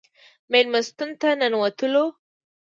مېلمستون ته ننوتلو.